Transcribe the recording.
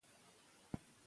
دا پلېټفارم پراخ شو.